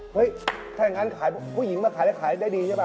เฮ้ยถ้าอย่างนั้นขายผู้หญิงมาขายแล้วขายได้ดีใช่ป่